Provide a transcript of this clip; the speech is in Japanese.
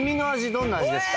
どんな味ですか？